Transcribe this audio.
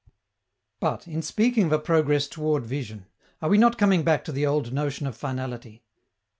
But, in speaking of a progress toward vision, are we not coming back to the old notion of finality?